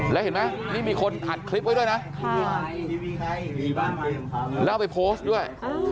แล้วเห็นไหมนี่มีคนอัดคลิปไว้ด้วยนะแล้วเอาไปโพสต์ด้วย